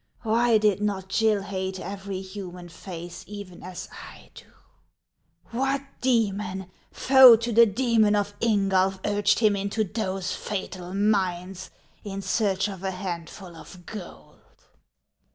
Why did not (Jill hate every human face even as I do ? What demon foe to the demon of Ingulf urged him into those fatal mines in search of a handful of gold